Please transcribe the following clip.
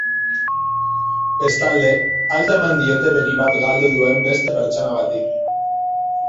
Bestalde, alta eman diote begi bat galdu duen beste pertsona bati.